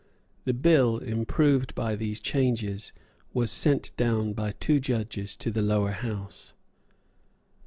The bill, improved by these changes, was sent down by two judges to the Lower House.